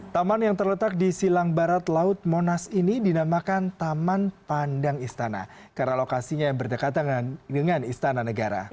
taman yang terletak di silang barat laut monas ini dinamakan taman pandang istana karena lokasinya yang berdekatan dengan istana negara